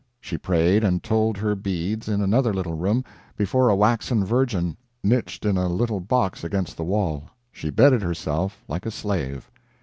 She prayed and told her beads, in another little room, before a waxen Virgin niched in a little box against the wall; she bedded herself like a slave.